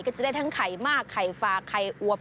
ก็จะได้ทั้งไข่มากไข่ฟาไข่อวบ